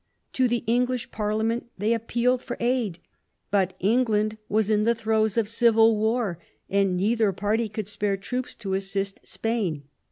To the English parliament they appealed for aid, but England was in the throes of civil war and neither party could spare troops to assist Spain.